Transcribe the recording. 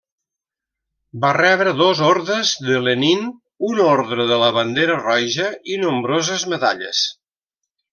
Va rebre dos Ordes de Lenin, un Orde de la Bandera Roja i nombroses medalles.